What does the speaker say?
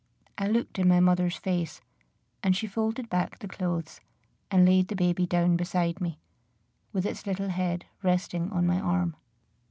I looked in my mother's face; and she folded back the clothes, and laid the baby down beside me, with its little head resting on my arm.